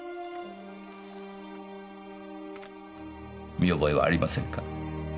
見覚えはありませんか？